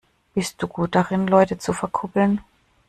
Bist du gut darin, Leute zu verkuppeln?